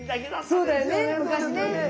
そうだよね昔ねうん。